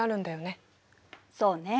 そうね。